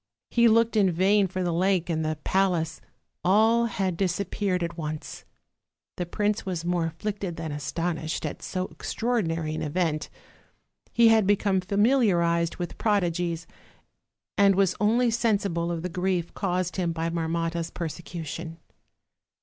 He looked in vain for the lake and the palace; all had disappeared at once. The prince was more afflicted than astonished at so extraordinary [an event; he had become familiarized with prodigies, and was only sensible of the grief caused him by Marmotta's persecution.